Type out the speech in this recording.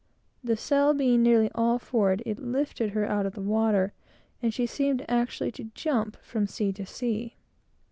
The sail being nearly all forward, it lifted her out of the water, and she seemed actually to jump from sea to sea.